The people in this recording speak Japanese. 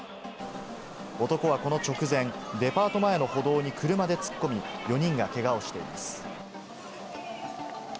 男はこの直前、デパート前の歩道に車で突っ込み、４人がけがをしています。